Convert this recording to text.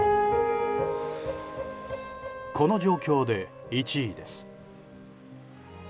この状況で１位です。